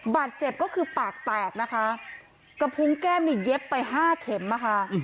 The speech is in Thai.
บาดเจ็บก็คือปากแตกนะคะกระพุงแก้มนี่เย็บไปห้าเข็มอ่ะค่ะ